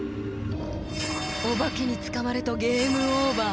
お化けに捕まるとゲームオーバー！